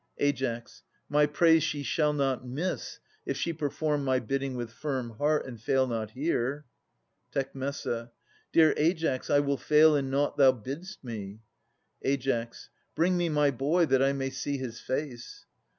Ai. My praise she shall not miss, if she perform My bidding with firm heart, and fail not here. Tec. Dear Aias, I will fail in nought thou bidst me. Ai. Bring me my boy, that I may see his face.